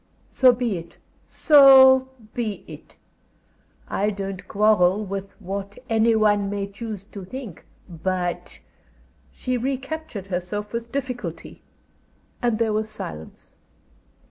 So be it! So be it! I don't quarrel with what any one may choose to think, but " She recaptured herself with difficulty, and there was silence.